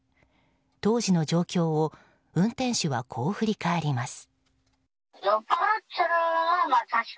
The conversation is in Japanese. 当時の状況を運転手はこう振り返ります。